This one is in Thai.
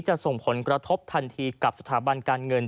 จะส่งผลกระทบทันทีกับสถาบันการเงิน